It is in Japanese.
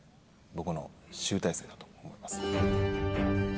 僕の集大成になると思います。